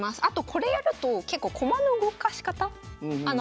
あとこれやると結構駒の動かし方？